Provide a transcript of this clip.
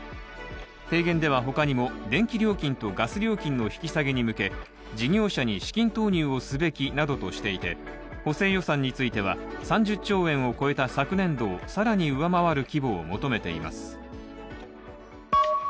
提言では他にも電気料金とガス料金の引き下げに向け事業者に資金投入をすべきなどとしていて、補正予算については３０兆円を超えた昨年度を更に上回る規模を求めています。